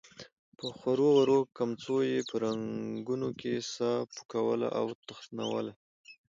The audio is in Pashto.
په خورو ورو کمڅو يې په رګونو کې ساه پوکوله او تخنوله.